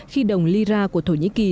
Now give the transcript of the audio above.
khi đồng lyra của thổ nhĩ kỳ